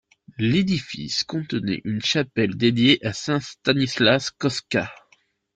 L'édifice contenait une chapelle dédiée à saint Stanislas Kostka.